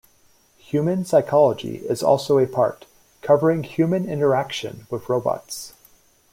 Human psychology is also a part, covering human interaction with robots.